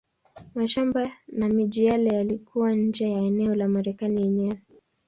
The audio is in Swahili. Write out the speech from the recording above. Mashamba na miji yale yalikuwa nje ya eneo la Marekani yenyewe.